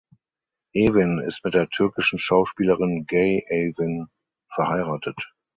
Evin ist mit der türkischen Schauspielerin Gaye Evin verheiratet.